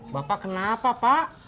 bapak kenapa pak